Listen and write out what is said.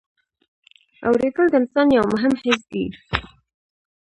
اورېدل د انسان یو مهم حس دی.